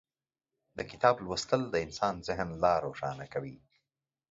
د کتاب لوستل د انسان ذهن لا روښانه کوي.